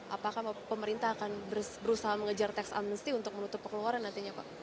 apakah pemerintah akan berusaha mengejar teks amnesti untuk menutup kekeluaran nantinya pak